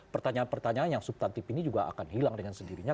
pertanyaan pertanyaan yang subtantif ini juga akan hilang dengan sendirinya